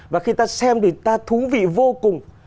và khi ta xem thì ta thú vị vô cùng